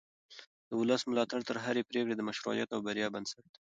د ولس ملاتړ د هرې پرېکړې د مشروعیت او بریا بنسټ دی